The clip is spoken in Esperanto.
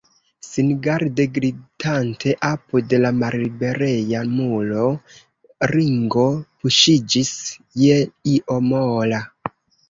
Singarde glitante apud la mallibereja muro, Ringo puŝiĝis je io mola.